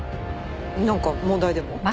なんか問題でも？